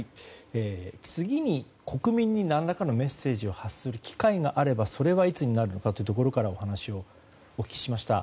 次に国民に何らかのメッセージを発する機会があればそれはいつになるのかということからお聞きしました。